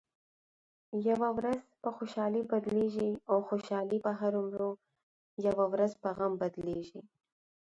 یوه ورځ په خوشحالۍ بدلېږي او خوشحالي به هرومرو یوه ورځ په غم بدلېږې.